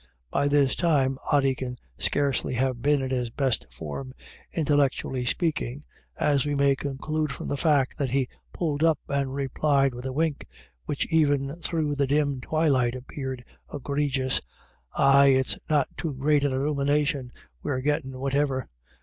By this time Ody can scarcelyhave been in his best form, intellectually speaking, as we may conclude from the fact that he pulled up and replied with a wink, which even through the dim twilight appeared egregious :" Ay, it's not too great an illumination we're gettin' whativer.